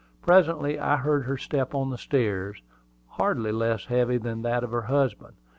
Presently I heard her step on the stairs, hardly less heavy than that of her husband.